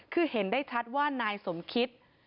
คือเห็นได้ชัดว่านายสมคิต